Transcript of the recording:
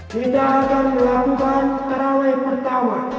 kita akan melakukan terawih pertama